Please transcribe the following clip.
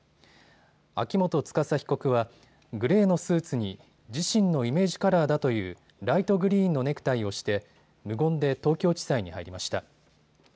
秋元司被告はグレーのスーツに自身のイメージカラーだというライトグリーンのネクタイをして無言で東京地裁に入りました。